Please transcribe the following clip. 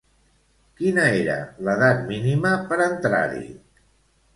Quina era l'edat mínima per entrar-hi?